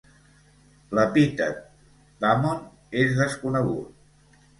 L'epítet d'Hammon és desconegut.